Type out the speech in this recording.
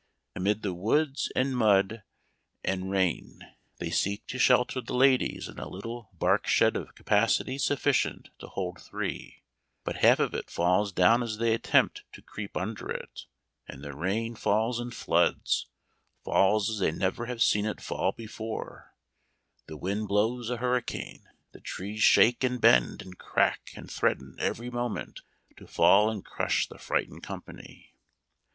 Amid the woods and mud and 26 Memoir of Washington Irving. rain they seek to shelter the ladies in a little bark shed of capacity sufficient to hold three but half of it falls down as they attempt t creep under it, and the rain falls in floods, fall as they never have seen it fall before ; the wind blows a hurricane ; the trees shake, and bend, and crack, and threaten every moment to fall and crush the frightened company.